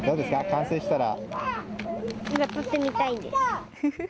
完成したら。